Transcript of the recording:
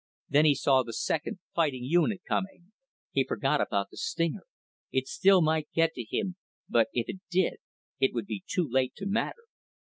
Then he saw the second fighting unit coming. He forgot about the stinger. It still might get to him, but, if it did, it would be too late to matter.